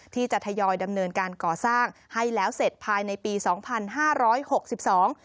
ที่จะทยอยดำเนินการก่อสร้างให้แล้วเสร็จภายในปีสองพันห้าร้อยหกสิบสอง